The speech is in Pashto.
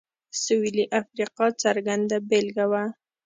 سوېلي افریقا څرګنده بېلګه وه.